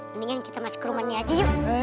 mendingan kita masuk ke rumah ini aja yuk